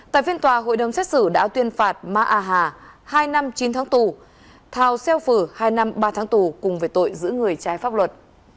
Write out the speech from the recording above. tại phiên tòa hội đồng xét xử đã tuyên phạt ma a hà hai năm chín tháng tù thào xeo phử hai năm ba tháng tù cùng về tội giữ người trái pháp luật